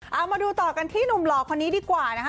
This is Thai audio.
เอามาดูต่อกันที่หนุ่มหล่อคนนี้ดีกว่านะคะ